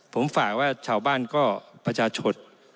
ผมฝากว่าชาวบ้านก็ประชาชน